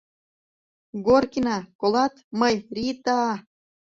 Горкина, колат, мый — Ри-ита-а!